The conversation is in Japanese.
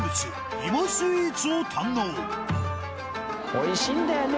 おいしいんだよね。